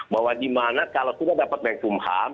bahwa gimana kalau kita dapat menkumham